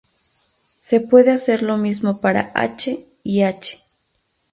Se puede hacer lo mismo para "H" y "H".